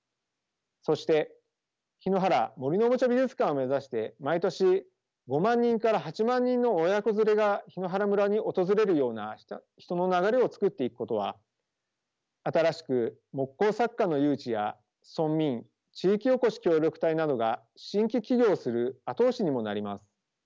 そして檜原森のおもちゃ美術館を目指して毎年５万人から８万人の親子連れが檜原村に訪れるような人の流れを作っていくことは新しく木工作家の誘致や村民地域おこし協力隊などが新規起業をする後押しにもなります。